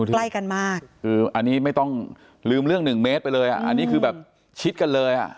ใกล้กันมากคืออันนี้ไม่ต้องลืมเรื่องหนึ่งเมตรไปเลยอ่ะอันนี้คือแบบชิดกันเลยอ่ะ